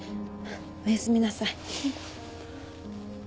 おやすみなさい。